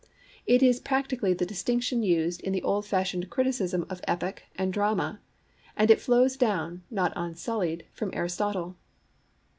It is practically the distinction used in the old fashioned criticism of epic and drama, and it flows down, not unsullied, from Aristotle.